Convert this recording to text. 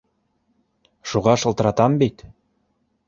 Шуға шылтыратам бит